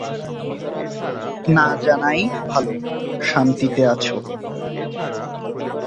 না জানাই ভালো, শান্তিতে আছ।